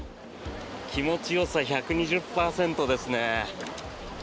気持ちよさ１２０％ですね。